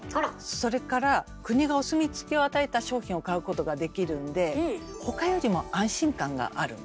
それから国がお墨付きを与えた商品を買うことができるんで他よりも安心感があるんだよね。